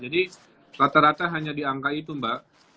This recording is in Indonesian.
jadi rata rata hanya diangka itu mbak